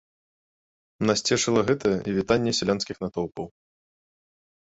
Нас цешыла гэта і вітанне сялянскіх натоўпаў.